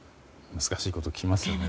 難しいことを聞きますね。